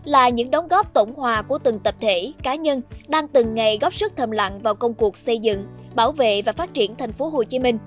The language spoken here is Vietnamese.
là những đóng góp tổng hòa của từng tập thể cá nhân đang từng ngày góp sức thầm lặng vào công cuộc xây dựng bảo vệ và phát triển tp hcm